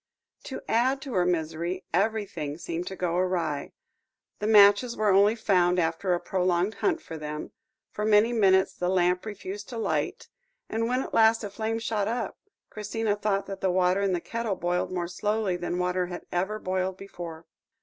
To add to her misery, everything seemed to go awry. The matches were only found after a prolonged hunt for them; for many minutes the lamp refused to light; and when, at last, a flame shot up, Christina thought that the water in the kettle boiled more slowly than water had ever boiled before.